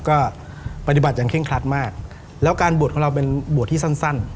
ก็ปฏิบัติอย่างเร่งครัดมากแล้วการบวชของเราเป็นบวชที่สั้นสั้น